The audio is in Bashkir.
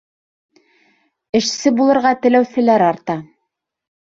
Эшсе булырға теләүселәр арта...